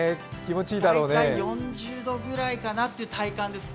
大体４０度ぐらいかなという体感です。